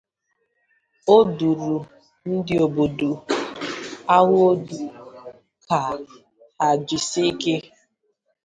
Ọ dụrụ ndị obodo ahụ ọdụ ka ha jisie ike